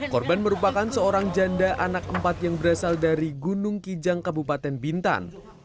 korban merupakan seorang janda anak empat yang berasal dari gunung kijang kabupaten bintan